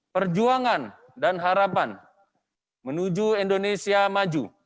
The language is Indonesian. perjuangan dan harapan menuju indonesia maju